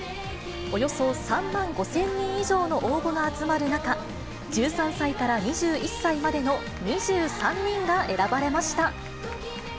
およそ３万５０００人以上の応募が集まる中、１３歳から２１歳までの２３人が選ばれました。